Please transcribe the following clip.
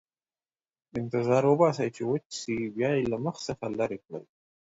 انتظار وباسئ چې وچ شي، بیا یې له مخ څخه لرې کړئ.